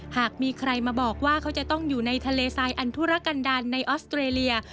หากมีใครมาบอกว่าเขาจะต้องอยู่ในทะเลทรายอันทุรกันดาลในออสเตรเลีย